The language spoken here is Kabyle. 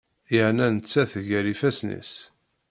Yerna nettat gar ifasen-is.